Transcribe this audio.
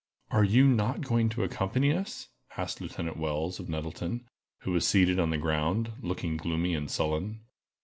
"Are you not going to accompany us?" asked Lieutenant Wells, of Nettleton, who was seated upon the ground, looking gloomy and sullen.